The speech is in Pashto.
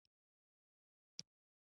زما د نوملړ لومړنی شی وي.